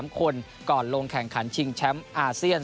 ๓คนก่อนลงแข่งขันชิงแชมป์อาเซียน